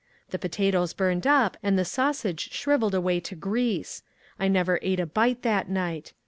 The potatoes burned up, and the sausage shrivelled away to grease ; I never ate a bite that night.